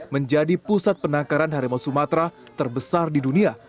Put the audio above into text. menjadi pusat penangkaran harimau sumatera terbesar di dunia